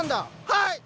はい！